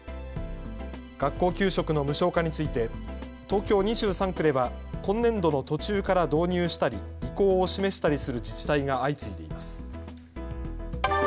学校給食の無償化について東京２３区では今年度の途中から導入したり意向を示したりする自治体が相次いでいます。